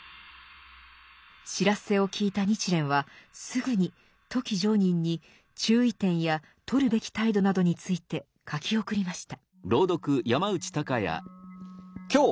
知らせを聞いた日蓮はすぐに富木常忍に注意点やとるべき態度などについて書き送りました。